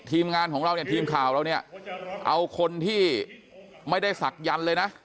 ทีมงานของเราเนี่ยทีมข่าวเราเนี่ยเอาคนที่ไม่ได้ศักยันต์เลยนะ